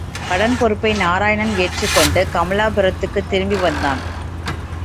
கடன் பொறுப்பை நாராயணன் ஏற்றுக்கொண்டு, கமலாபுரத்துக்குத் திரும்பி வ்ந்தான்.